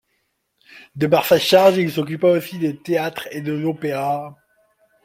De par sa charge, il s'occupa aussi des théâtres et de l'Opéra.